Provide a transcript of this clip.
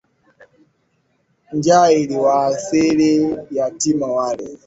Njaa iliwaadhiri yatima wale.